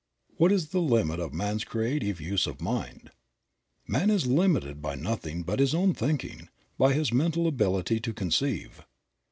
What is the limit of man's creative use of Mind? Man is limited by nothing but his own thinking, by his mental ability to conceive.